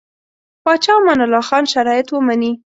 پاچا امان الله خان شرایط ومني.